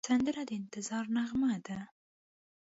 سندره د انتظار نغمه ده